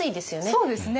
そうですね。